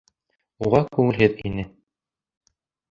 Уға күңелһеҙ ине.